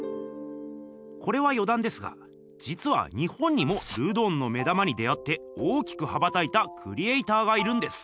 これはよだんですがじつは日本にもルドンの目玉に出会って大きく羽ばたいたクリエーターがいるんです。